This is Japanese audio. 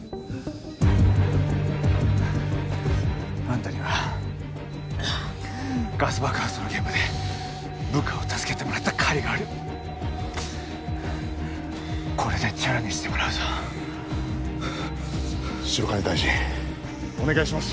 あんたにはガス爆発の現場で部下を助けてもらった借りがあるこれでチャラにしてもらうぞ白金大臣お願いします